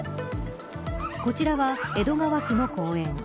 こちらは江戸川区の公園。